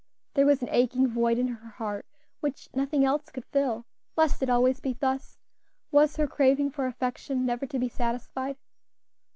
There was an aching void in her heart which nothing else could fill; must it always be thus? was her craving for affection never to be satisfied?